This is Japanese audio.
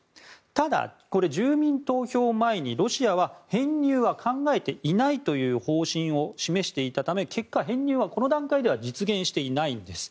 ただ、住民投票前にロシアは編入は考えていないという方針を示していたため結果、編入はこの段階では実現していないんです。